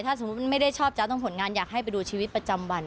ถ้าสมมุติมันไม่ได้ชอบจะต้องผลงานอยากให้ไปดูชีวิตประจำวัน